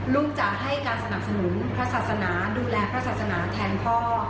จะให้การสนับสนุนพระศาสนาดูแลพระศาสนาแทนพ่อ